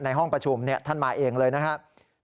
ห้องประชุมท่านมาเองเลยนะครับ